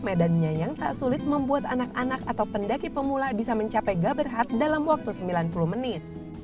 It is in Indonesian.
medannya yang tak sulit membuat anak anak atau pendaki pemula bisa mencapai gaberhut dalam waktu sembilan puluh menit